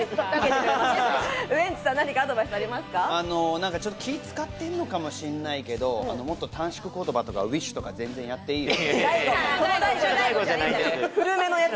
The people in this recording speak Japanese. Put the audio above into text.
何か気つかってるのかもしれないけど、もっと短縮言葉とか、ウィッシュ！とか全然やっていいよ。